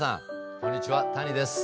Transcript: こんにちは谷です。